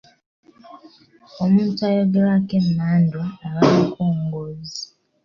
Omuntu ayogererwako emmandwa aba mukongozzi.